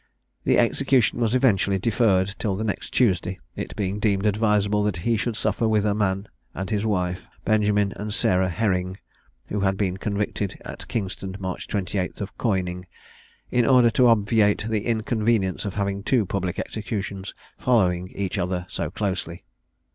The execution was eventually deferred till the next Tuesday, it being deemed advisable that he should suffer with a man and his wife, Benjamin and Sarah Herring, who had been convicted at Kingston, March 28, of coining, in order to obviate the inconvenience of having two public executions following each other so closely.